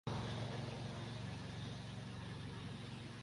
یہ ہماری تاریخ کا ایک دلچسپ اور پر اسرار باب ہے۔